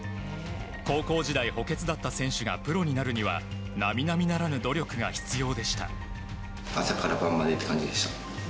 高校時代、補欠だった選手がプロになるには並々ならぬ努力が必要でした。